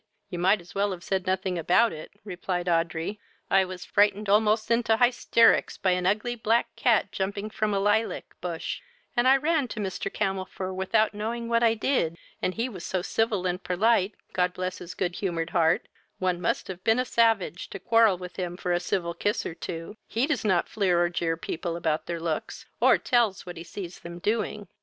You might as well have said nothing about it, (replied Audrey.) I was frightened almost into highsterricks by an ugly black cat jumping from a lylac bush, and I ran to Mr. Camelfor without knowing what I did, and he was so civil and perlite, God bless his good humoured heart, one must have been a savage to quarrel with him for a civil kiss or two: he does not fleer or jeer people about their looks, or tells what he sees them doing."